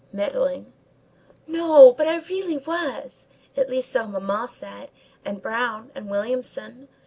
"Middling." "No, but I really was—at least so mamma said—and Brown and Williamson.